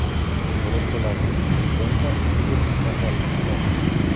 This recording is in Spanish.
Por otro lado, en Cuenca, sigue pintado al natural.